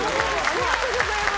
ありがとうございます。